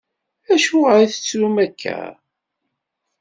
Acuɣer i tettrum akka?